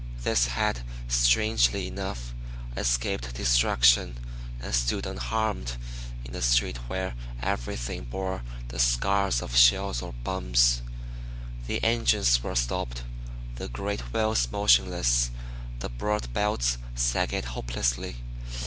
This had, strangely enough, escaped destruction and stood unharmed in a street where everything bore the scars of shells or bombs. The engines were stopped; the great wheels motionless; the broad belts sagged hopelessly.